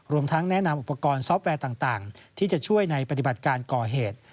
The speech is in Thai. ทั้งแนะนำอุปกรณ์ซอฟต์แวร์ต่างที่จะช่วยในปฏิบัติการก่อเหตุ